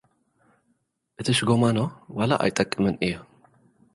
እቲ ሽጎማኖ ዋላ ኣይጠቅምን እዩ።